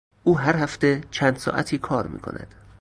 او هر هفته چند ساعتی کار میکند.